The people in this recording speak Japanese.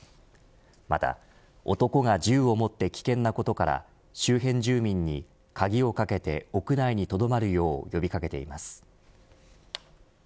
また男が銃を持って危険なことから周辺住民に、鍵をかけて屋内にとどまるよう呼び掛けています。